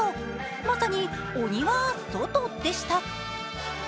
まさに鬼は外でした。